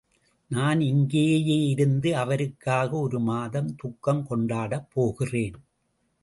நான் இங்கேயேயிருந்து அவருக்காக ஒருமாதம் துக்கம் கொண்டாடப் போகிறேன்.